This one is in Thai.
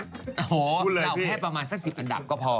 โอ้โหเราแค่ประมาณสัก๑๐อันดับก็พอ